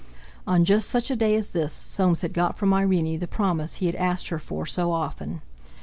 On just such a day as this Soames had got from Irene the promise he had asked her for so often.